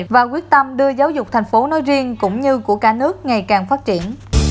và quyết tâm đưa giáo dục thành phố nói riêng cũng như của cả nước ngày càng phát triển